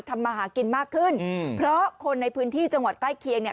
มาหากินมากขึ้นอืมเพราะคนในพื้นที่จังหวัดใกล้เคียงเนี่ย